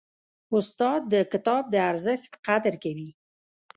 استاد د کتاب د ارزښت قدر کوي.